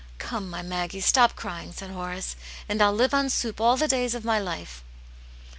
" Come, my Maggie, stop crying," said Horace, " and I'll live on soup all the days of my life."